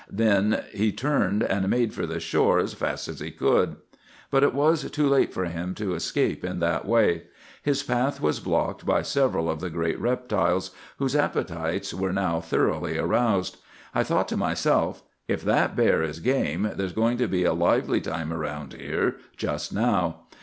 Then he turned, and made for the shore as fast as he could. "But it was too late for him to escape in that way. His path was blocked by several of the great reptiles, whose appetites were now thoroughly aroused. I thought to myself, 'If that bear is game, there's going to be a lively time around here just now.